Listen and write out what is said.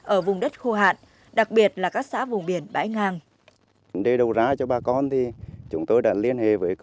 ở vùng đất khô hạn đặc biệt là các xã vùng biển bãi ngang